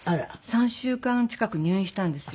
３週間近く入院したんですよ。